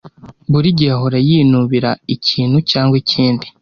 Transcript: Buri gihe ahora yinubira ikintu cyangwa ikindi.